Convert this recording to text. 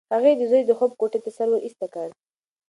هغې د زوی د خوب کوټې ته سر ورایسته کړ.